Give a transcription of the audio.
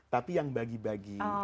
tapi yang bagi bagi